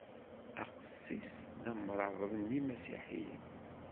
Aqessis d amrabeḍ n yimasiḥiyen.